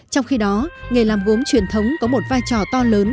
trong khi đó nghề làm gốm truyền thống có một vai trò to lớn